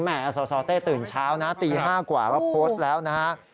สสเต้ตื่นเช้านะตี๕กว่ามาโพสต์แล้วนะฮะ